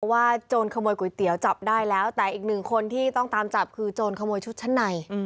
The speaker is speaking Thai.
โจรขโมยก๋วยเตี๋ยวจับได้แล้วแต่อีกหนึ่งคนที่ต้องตามจับคือโจรขโมยชุดชั้นใน